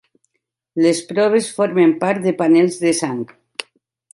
Les proves formen part de panels de sang.